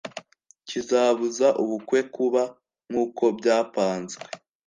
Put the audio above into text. kizabuza ubukwe kuba nkuko byapanzwe